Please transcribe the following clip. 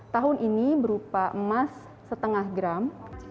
tahun ini berupa emas setengah gram